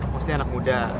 maksudnya anak muda